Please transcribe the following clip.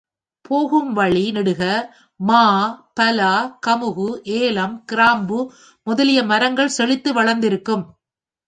போகும் வழி நெடுக மா, பலா, கமுகு, ஏலம், கிராம்பு முதலிய மரங்கள் செழித்து வளர்ந்திருக்கும்.